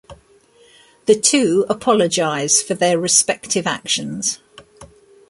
The two apologize for their respective actions.